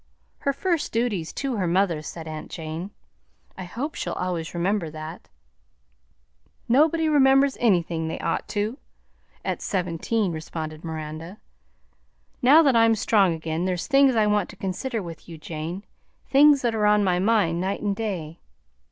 "Her first duty 's to her mother," said aunt Jane; "I hope she'll always remember that." "Nobody remembers anything they'd ought to, at seventeen," responded Miranda. "Now that I'm strong again, there's things I want to consider with you, Jane, things that are on my mind night and day.